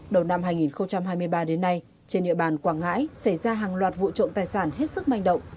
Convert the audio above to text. đầu năm hai nghìn hai mươi ba đến nay trên địa bàn quảng ngãi xảy ra hàng loạt vụ trộm tài sản hết sức manh động